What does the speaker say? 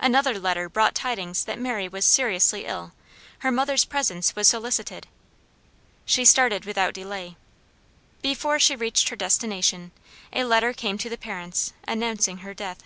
Another letter brought tidings that Mary was seriously ill; her mother's presence was solicited. She started without delay. Before she reached her destination, a letter came to the parents announcing her death.